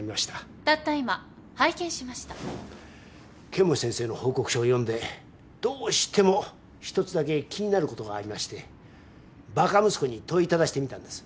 剣持先生の報告書を読んでどうしても１つだけ気になることがありましてバカ息子に問いただしてみたんです。